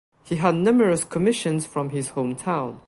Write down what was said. He had numerous commissions from his hometown.